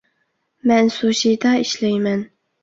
مەن سۇشىدا ئىشلەيمەن